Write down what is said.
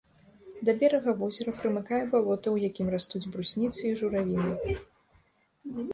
Да берага возера прымыкае балота, у якім растуць брусніцы і журавіны.